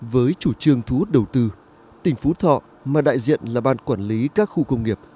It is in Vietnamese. với chủ trương thu hút đầu tư tỉnh phú thọ mà đại diện là ban quản lý các khu công nghiệp